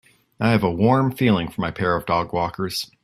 I have a warm feeling for my pair of dogwalkers.